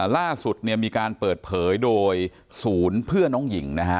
ล่าสุดเนี่ยมีการเปิดเผยโดยศูนย์เพื่อนน้องหญิงนะฮะ